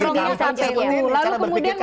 lalu kemudian mau melaporkan ke politik